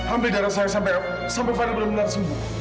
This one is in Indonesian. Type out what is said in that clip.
ambil darah saya sampai fadil benar benar sembuh